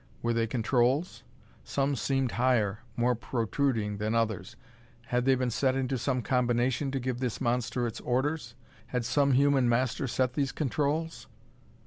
Were they controls? Some seemed higher, more protruding, than others. Had they been set into some combination to give this monster its orders? Had some human master set these controls?